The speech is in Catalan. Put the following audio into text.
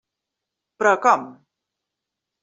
Però, com?